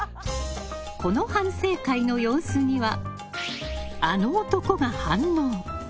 この反省会の様子にはあの男が反応。